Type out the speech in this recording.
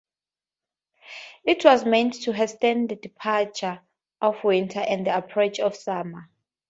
It was meant to hasten the departure of winter and the approach of summer.